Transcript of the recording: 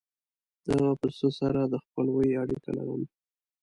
د هغه پسه سره د خپلوۍ اړیکه لرم.